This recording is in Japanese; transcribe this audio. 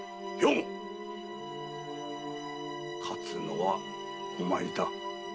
勝つのはお前だ。